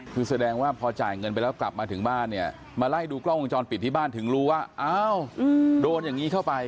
คือแสดงว่าพอจ่ายเงินไปแล้วกลับมาถึงบ้านเนี่ยมาไล่ดูกล้องวงจรปิดที่บ้านถึงรู้ว่าอ้าวโดนอย่างนี้เข้าไป